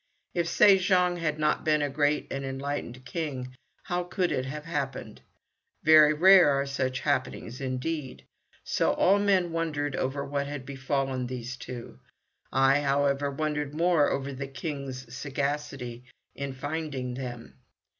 If Se jong had not been a great and enlightened king, how could it have happened? Very rare are such happenings, indeed! So all men wondered over what had befallen these two. I, however, wondered more over the King's sagacity in finding them.